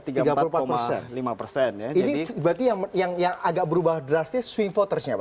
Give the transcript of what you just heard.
ini berarti yang agak berubah drastis swing votersnya pak